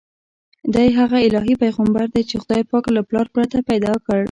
دی هغه الهي پیغمبر دی چې خدای پاک له پلار پرته پیدا کړ.